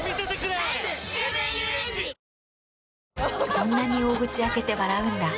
そんなに大口開けて笑うんだ。